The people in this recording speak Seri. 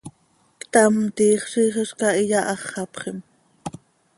Ctam, tiix ziix hizcah iyaháxapxim.